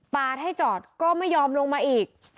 ให้จอดก็ไม่ยอมลงมาอีก